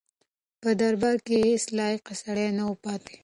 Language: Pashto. په دربار کې هیڅ لایق سړی نه و پاتې.